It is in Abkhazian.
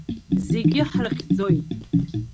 Зегьы ҳрыхьӡоит.